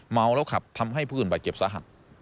เมาแล้วขับทำให้ผู้อื่นบาดเจ็บสาหัส